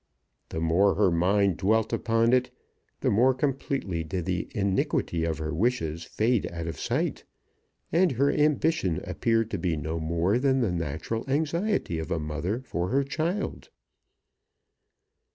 The more her mind dwelt upon it, the more completely did the iniquity of her wishes fade out of sight, and her ambition appear to be no more than the natural anxiety of a mother for her child.